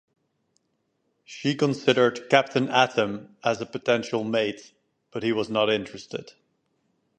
She considered Captain Atom as a potential mate, but he was not interested.